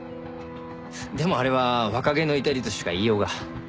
でもあれは若気の至りとしか言いようが。